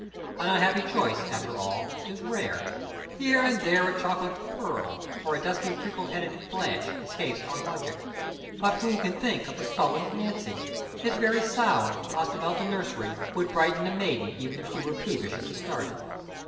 An unhappy choice, after all, is rare. Here and there a chocolate Pearl or a dusky crinkle headed Blanche escapes our logic; but who can think of a sullen Nancy? Its very sound, tossed about the nursery, would brighten a maiden even if she were peevish at the start.